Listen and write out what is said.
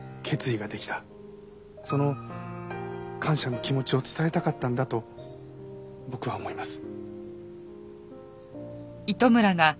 その感謝の気持ちを伝えたかったんだと僕は思います。